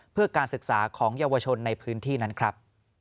เพื่อการศึกษาของเยาวชนในพื้นที่นั้นครับ